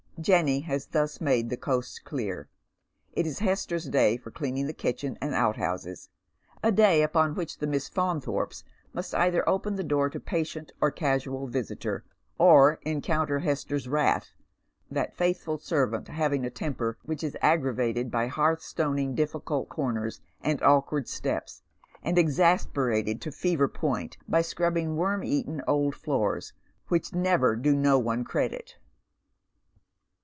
Jenny has thus made the coast clear. It is Hester's day for cleaning the kitchen and outhouses, a day upon which the Misa Faunthorpes must either open the door to patient or casual vnsitor, or encounter Hester's wrath, that faithful servant having a temper which is aggravated by hearth stoning difficult corners ind awkward steps, and exasperated to fever point by scrubbing worm eaten old floors, which " never do one no credit."